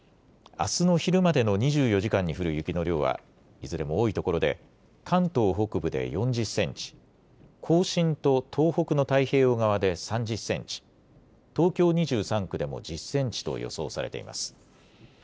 あすの昼までの２４時間に降る雪の量はいずれも多いところで関東北部で４０センチ、甲信と東北の太平洋側で３０センチ、東京２３区でも１０センチと予想されています。